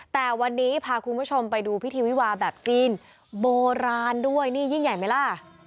แต่วันนี้พาคุณผู้ชมไปดูพิธีวิวาแบบจีนโบราณด้วยนี่ยิ่งใหญ่ไหมล่ะ